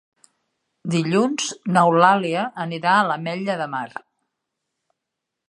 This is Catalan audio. Dilluns n'Eulàlia anirà a l'Ametlla de Mar.